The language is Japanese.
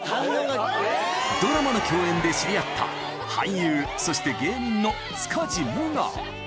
ドラマの共演で知り合った、俳優、そして芸人の塚地武雅。